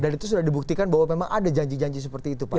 dan itu sudah dibuktikan bahwa memang ada janji janji seperti itu pak